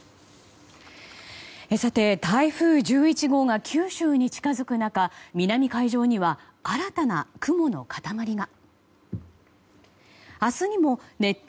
さて、台風１１号が九州に近づく中南海上には新たな雲の塊が。